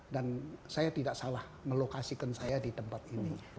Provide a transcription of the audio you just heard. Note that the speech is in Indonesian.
dan saya tidak salah melokasikan saya di tempat ini